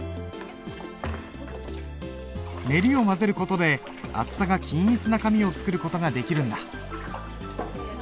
ネリを混ぜる事で厚さが均一な紙を作る事ができるんだ。